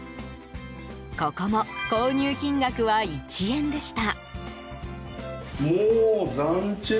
ここも、購入金額は１円でした。